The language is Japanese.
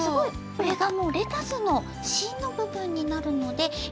これがもうレタスのしんのぶぶんになるので。